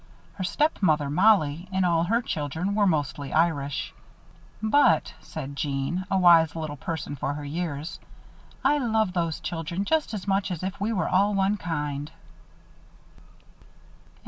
Her stepmother, Mollie, and all her children were mostly Irish. "But," said Jeanne, a wise little person for her years, "I love those children just as much as if we were all one kind."